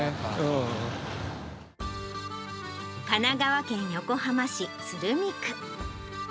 神奈川県横浜市鶴見区。